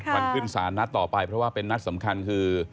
วันขึ้นศาลนัดต่อไปเพราะว่าเป็นนัดสำคัญคือ